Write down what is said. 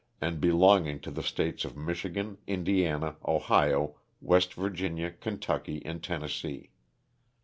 and belong ing to the States of Michigan, Indiana, Ohio, West Virginia, Kentucky and Tennessee.